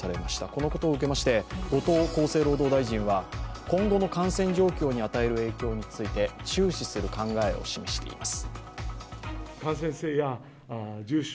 このことを受けまして後藤厚生労働大臣は今後の感染状況に与える影響について注視する考えを示しています。